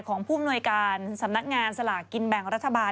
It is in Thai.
ของผู้มูลหน่วยการสำนักงานสลากินแบ่งรัฐบาล